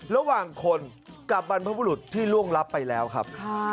ระหว่างคนกับบรรพบุรุษที่ล่วงรับไปแล้วครับ